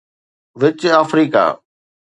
which Africa